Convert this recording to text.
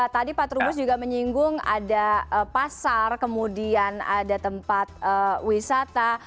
tadi pak trubus juga menyinggung ada pasar kemudian ada tempat wisata